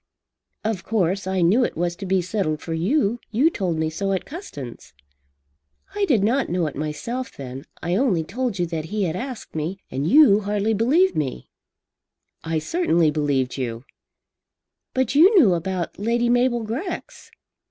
"Of course I knew it was to be settled for you. You told me so at Custins." "I did not know it myself then. I only told you that he had asked me. And you hardly believed me." "I certainly believed you." "But you knew about Lady Mabel Grex."